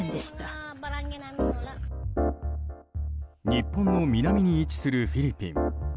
日本の南に位置するフィリピン。